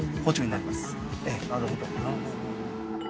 なるほど。